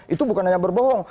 itu bukan hanya berbohong